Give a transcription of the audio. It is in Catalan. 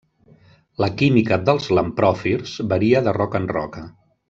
La química dels lampròfirs varia de roca en roca.